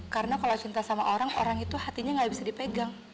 karena kalau cinta sama orang orang itu hatinya gak bisa dipegang